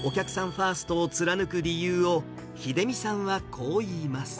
ファーストを貫く理由を、秀巳さんはこう言います。